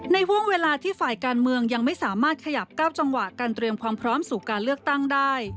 ห่วงเวลาที่ฝ่ายการเมืองยังไม่สามารถขยับ๙จังหวะการเตรียมความพร้อมสู่การเลือกตั้งได้